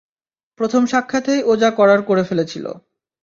প্রথম সাক্ষাতেই ও যা করার করে ফেলেছিল।